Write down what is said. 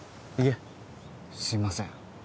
行けすいません